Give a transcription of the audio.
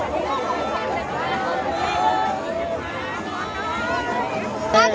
สวัสดีครับ